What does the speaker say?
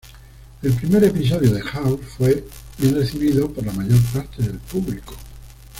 El primer episodio de "House" fue bien recibido por la mayor parte del público.